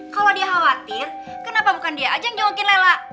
kalau dia khawatir kenapa bukan dia aja yang jawabin lela